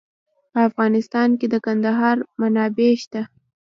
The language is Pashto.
په افغانستان کې د کندهار منابع شته.